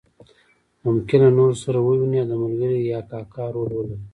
ممکن له نورو سره وویني او د ملګري یا کاکا رول ولري.